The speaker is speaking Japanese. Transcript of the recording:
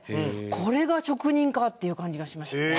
これが職人かっていう感じがしましたね。